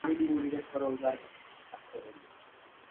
অন্যদের থেকে তাঁরা তিন থেকে চার হাজার টাকা পর্যন্ত আদায় করেছেন।